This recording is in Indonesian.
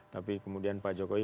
tapi kemudian pak jokowi